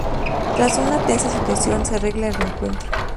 Tras una tensa situación, se arregla el reencuentro.